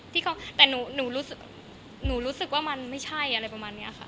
แต่หนูรู้สึกว่ามันไม่ใช่